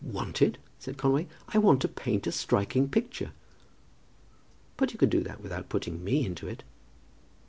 "Want it!" said Conway. "I want to paint a striking picture." "But you can do that without putting me into it."